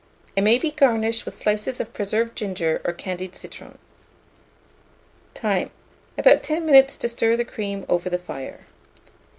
It may be garnished with slices of preserved ginger or candied citron. Time. About 10 minutes to stir the cream over the fire.